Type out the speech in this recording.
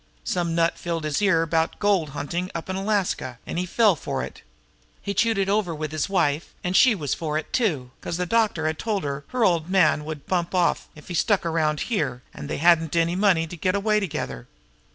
Some nut filled his ear full 'bout gold huntin' up in Alaska, an' he fell for it. He chewed it over with his wife, an' she was for it too, 'cause the doctor 'd told her her old man would bump off if he stuck around here, an' they hadn't any money to get away together.